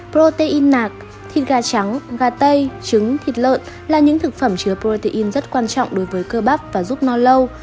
protein nạc thịt gà trắng gà tây trứng thịt lợn là những thực phẩm chứa protein rất quan trọng đối với cơ bắp và giúp no lâu